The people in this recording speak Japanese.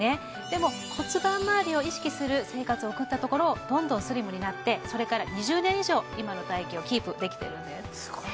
でも骨盤まわりを意識する生活を送ったところどんどんスリムになってそれから２０年以上今の体形をキープできてるんですすご